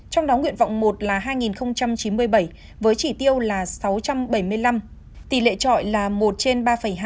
trong đó nguyện vọng một là hai chín mươi bảy với chỉ tiêu là sáu trăm bảy mươi năm tỷ lệ trọi là một trên ba hai